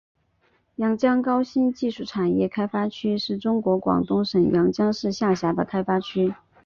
阳江高新技术产业开发区是中国广东省阳江市下辖的开发区。